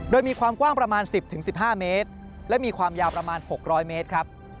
โดยมีความกว้างประมาณ๑๐๑๕เมตรและมีความยาวประมาณ๖๐๐เมตรครับ